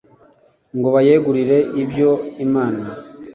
ngo biyegurire ibyayo imana